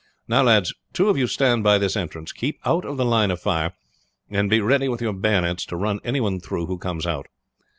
Now, lads, two of you stand by this entrance. Keep out of the line of fire, and be ready with your bayonets to run any one through who comes out.